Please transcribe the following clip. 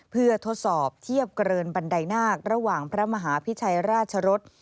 เพื่อทดสอบเทียบเกินบันไดนาคระหว่างพระมหาพิชัยราชรส